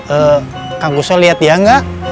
eee kang gusel liat dia gak